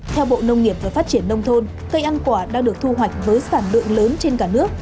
theo bộ nông nghiệp và phát triển nông thôn cây ăn quả đang được thu hoạch với sản lượng lớn trên cả nước